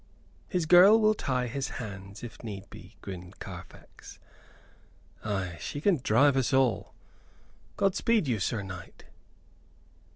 "His girl will tie his hands, if need be," grinned Carfax. "Ay, she can drive us all. God speed you, Sir Knight."